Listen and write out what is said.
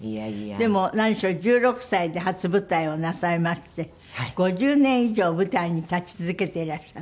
でも何しろ１６歳で初舞台をなさいまして５０年以上舞台に立ち続けていらっしゃる。